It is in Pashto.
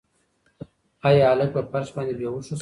ایا هلک په فرش باندې بې هوښه شو؟